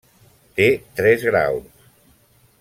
Té tres graus: